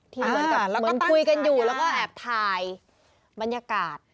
เหมือนกับเหมือนคุยกันอยู่แล้วก็แอบถ่ายบรรยากาศ